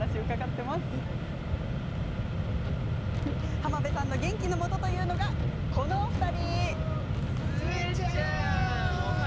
浜辺さんの元気のもとというのがこちらのお二人。